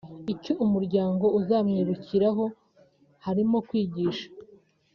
Icyo umuryango uzamwibukiraho harimo kwigisha